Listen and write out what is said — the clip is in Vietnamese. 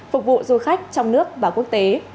phục vụ du khách trong nước và quốc tế